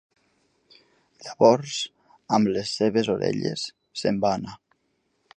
Llavors, amb les seves ovelles, se'n va anar.